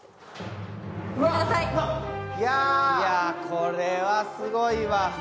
これはすごいわ。